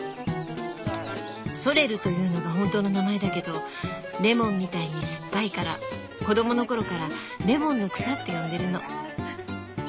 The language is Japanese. ソレルというのが本当の名前だけどレモンみたいに酸っぱいから子供の頃からレモンの草って呼んでるの。